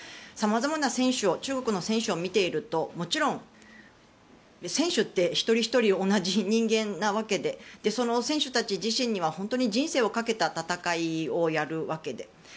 様々な中国の選手を見ているともちろん、選手って一人ひとり同じ人間なわけでその選手たち自身には人生をかけた戦いをやるわけで。